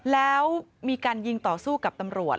แล้วมีการยิงต่อสู้กับตำรวจ